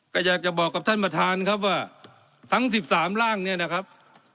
ก็อยากจะบอกกับท่านประธานครับว่าทั้ง๑๓ร่างเนี่ยนะครับ